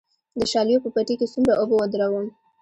د شالیو په پټي کې څومره اوبه ودروم؟